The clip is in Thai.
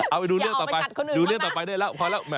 เอาไปดูเรื่องต่อไปได้แล้วพอแล้ว